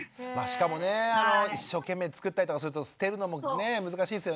しかもね一生懸命作ったりとかすると捨てるのもね難しいですよね。